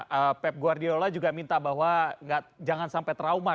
nah pep guardiola juga minta bahwa jangan sampai terlalu jauh